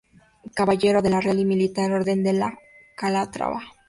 Caballero de la Real y Militar Orden de Calatrava.